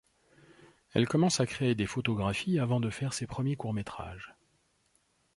Elle commence à créer des photographies avant de faire ses premiers courts métrages.